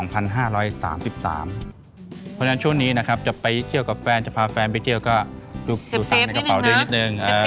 เพราะฉะนั้นช่วงนี้นะครับจะไปเที่ยวกับแฟนจะพาแฟนไปเที่ยวก็ดูสั่งในกระเป๋าด้วยนิดนึง